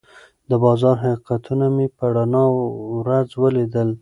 د بازار حقیقتونه مې په رڼا ورځ ولیدل.